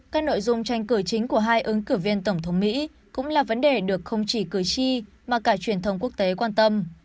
các nội dung tranh cử chính của hai ứng cử viên tổng thống mỹ cũng là vấn đề được không chỉ cử tri mà cả truyền thông quốc tế quan tâm